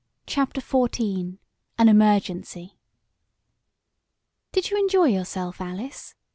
CHAPTER XIV AN EMERGENCY "Did you enjoy yourself, Alice?"